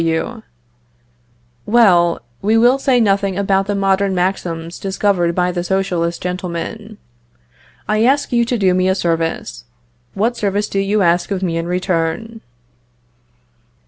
W. Well, we will say nothing about the modern maxims discovered by the Socialist gentlemen. I ask you to do me a service; what service do you ask of me in return?